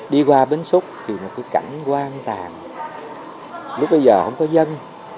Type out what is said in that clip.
đi qua bến xúc thì một cái cảnh quang tàn lúc bây giờ không có dân